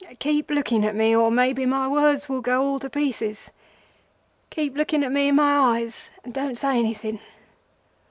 Keep looking at me, or maybe my words will go all to pieces. Keep looking at me in my eyes and don't say anything."